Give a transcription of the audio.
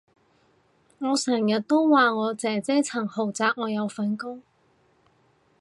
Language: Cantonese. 我成日都話我姐姐層豪宅我有份供